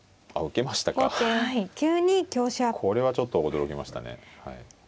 これはちょっと驚きましたね。